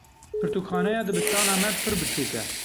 Pirtûkxaneya dibistana me pir biçûk e.